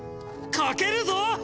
書けるぞ！